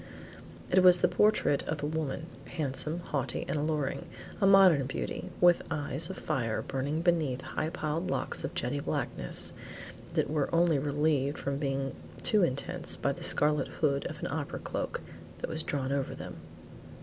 It was the portrait of a woman, handsome, haughty and alluring; a modern beauty, with eyes of fire burning beneath high piled locks of jetty blackness, that were only relieved from being too intense by the scarlet hood of an opera cloak, that was drawn over them.